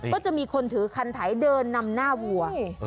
ก็จะมีคนถือคันไถเดินนำหน้าวัว